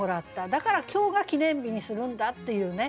だから今日が記念日にするんだっていうね